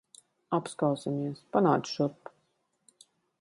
Apskausimies. Panāc šurp.